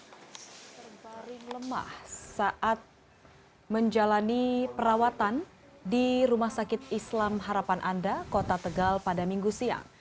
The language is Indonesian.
terbaring lemah saat menjalani perawatan di rumah sakit islam harapan anda kota tegal pada minggu siang